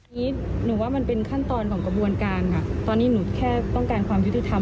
หนูว่ามันเป็นขั้นตอนของกระบวนการค่ะตอนนี้หนูแค่ต้องการความยุติธรรม